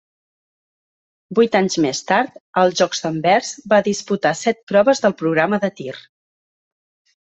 Vuit anys més tard, als Jocs d'Anvers, va disputar set proves del programa de tir.